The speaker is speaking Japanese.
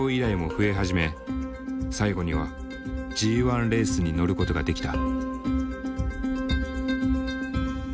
最後にはＧ１レースに乗ることができた。